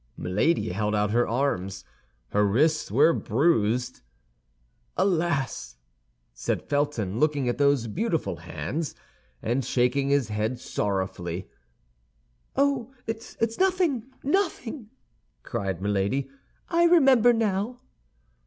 Milady held out her arms; her wrists were bruised. "Alas!" said Felton, looking at those beautiful hands, and shaking his head sorrowfully. "Oh, it's nothing, nothing!" cried Milady. "I remember now."